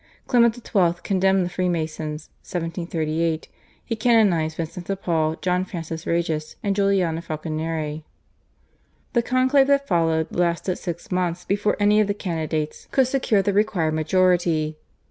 Clement XII. condemned the Freemasons (1738). He canonised Vincent de Paul, John Francis Regis, and Juliana Falconieri. The conclave that followed lasted six months before any of the candidates could secure the required majority.